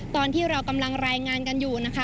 ตอนที่เรากำลังรายงานกันอยู่นะคะ